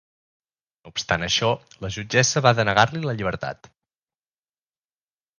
No obstant això, la jutgessa va denegar-li la llibertat.